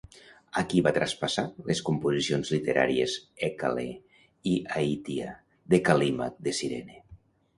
A qui va traspassar les composicions literàries Hècale i Aitia, de Cal·límac de Cirene?